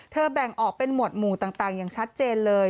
แบ่งออกเป็นหวดหมู่ต่างอย่างชัดเจนเลย